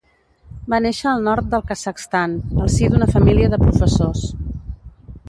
Va néixer al nord del Kazakhstan al si d'una família de professors.